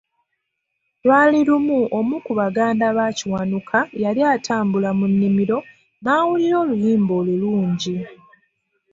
Lwali lumu omu ku baganda ba Kiwanuka yali atambula mu nnimiro n'awulira oluyimba olulungi .